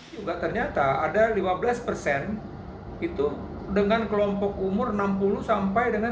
juga ternyata ada lima belas persen itu dengan kelompok umur enam puluh sampai dengan